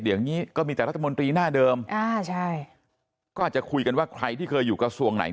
เดี๋ยวนี้ก็มีแต่รัฐมนตรีหน้าเดิมอ่าใช่ก็อาจจะคุยกันว่าใครที่เคยอยู่กระทรวงไหน